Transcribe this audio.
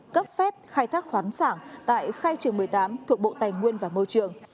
tổng diện tích khai thác khóa sản tại khai trường một mươi tám thuộc bộ tài nguyên và môi trường